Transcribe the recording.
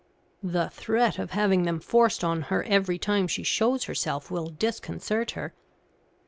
"The threat of having them forced on her every time she shows herself will disconcert her.